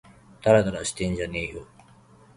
たらたらしてんじゃねぇよ